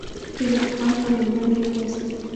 امیر شېر علي خان ته یو بل لیک واستاوه.